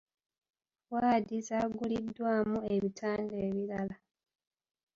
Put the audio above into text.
Waadi z'aguliddwamu ebitanda ebirala.